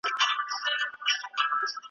لاله زار به ګلستان وي ته به یې او زه به نه یم ,